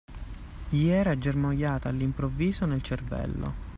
Gli era germogliata all'improvviso nel cervello